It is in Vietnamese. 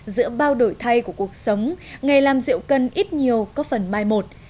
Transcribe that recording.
giữa bao đổi thay của cuộc sống ngày làm rượu cân ít nhiều có phần mai một